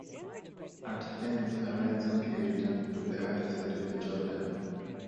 And thence, arising, he returned to the other side of the Jordan.